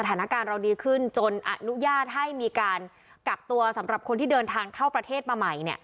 สถานการณ์เราดีขึ้นจนอนุญาตให้มีการกักตัวสำหรับคนที่เดินทางเข้าประเทศมาใหม่